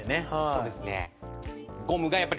そうですね。